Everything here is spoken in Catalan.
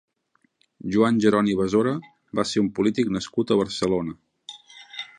Joan Jeroni Besora va ser un polític nascut a Barcelona.